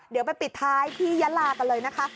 เดี๋ยวไปปิดท้ายที่ยาลากันเลยนะคะ